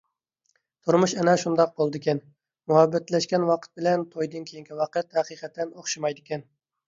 تۇرمۇش ئەنە شۇنداق بولىدىكەن، مۇھەببەتلەشكەن ۋاقىت بىلەن تويدىن كېيىنكى ۋاقىت ھەقىقەتەن ئوخشىمايدىكەن.